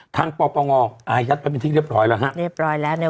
ท่านปปงอายัดไปเป็นที่เรียบร้อยแล้วฮะ